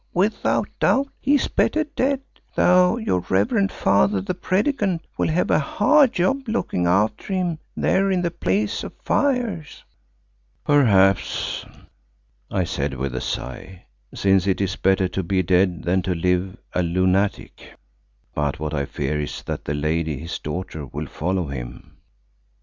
without doubt he is better dead, though your reverend father the Predikant will have a hard job looking after him there in the Place of Fires." "Perhaps," I said with a sigh, "since it is better to be dead than to live a lunatic. But what I fear is that the lady his daughter will follow him."